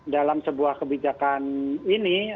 dalam sebuah kebijakan ini